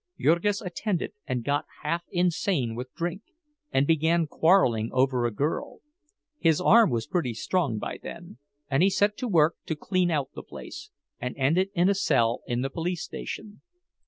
Jurgis attended and got half insane with drink, and began quarreling over a girl; his arm was pretty strong by then, and he set to work to clean out the place, and ended in a cell in the police station.